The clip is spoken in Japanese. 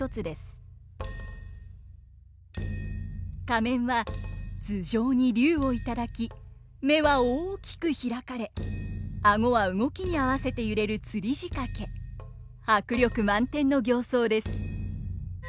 仮面は頭上に龍を頂き目は大きく開かれ顎は動きに合わせて揺れる吊り仕掛け迫力満点の形相です。